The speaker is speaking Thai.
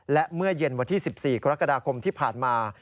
และเมื่อเย็นวันที่๑๔กรกฎาคมที่ผ่านมา